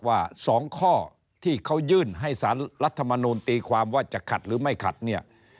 ว่า๒ข้อที่เขายื่นให้สารรัฐมนูลตีความว่าจะขัดหรือไม่ขัดเนี่ย